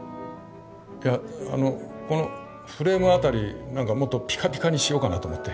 いやあのこのフレームあたり何かもっとピカピカにしようかなと思って。